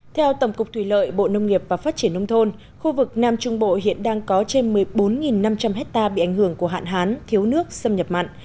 theo tổng cục thủy lợi bộ nông nghiệp và phát triển nông thôn khu vực nam trung bộ hiện đang có trên một mươi bốn năm trăm linh hectare bị ảnh hưởng của hạn hán thiếu nước xâm nhập mặn